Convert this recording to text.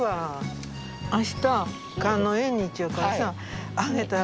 明日観音縁日やからさあげたら。